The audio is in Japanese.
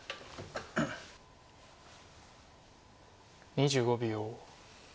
２５秒。